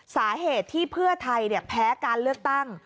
สาเหตุที่เพื่อไทยแพ้การเลือกตั้ง